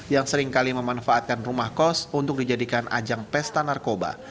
yang seringkali memanfaatkan rumah kos untuk dijadikan ajang pesta narkoba